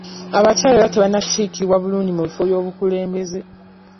Abakyala era tebannakiikirirwa bulungi mu bifo by'obukulembeze.